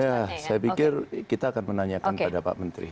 ya saya pikir kita akan menanyakan pada pak menteri